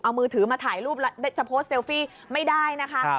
เอามือถือมาถ่ายรูปแล้วจะโพสต์เซลฟี่ไม่ได้นะคะ